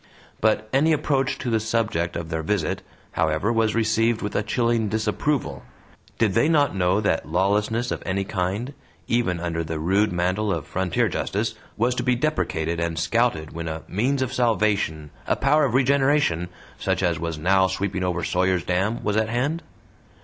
But any approach to the subject of their visit, however, was received with a chilling dissapproval. Did they not know that lawlessness of any kind, even under the rude mantle of frontier justice, was to be deprecated and scouted when a "means of salvation, a power of regeneration," such as was now sweeping over Sawyer's Dam, was at hand?